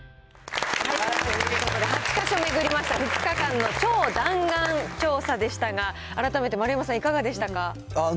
ということで、８か所巡りました、２日間の超弾丸調査でしたが、改めて丸山さん、いかがでしたか？